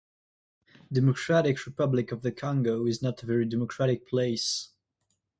Democratic Republic of the Congo is not a very democratic place.